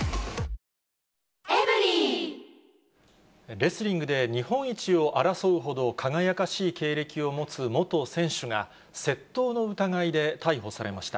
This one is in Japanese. レスリングで日本一を争うほど輝かしい経歴を持つ元選手が、窃盗の疑いで逮捕されました。